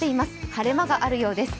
晴れ間があるようです。